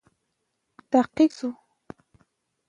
تحقیق وسو.